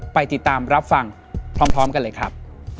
ไปติดตามรับฟังพร้อมกันเลยครับ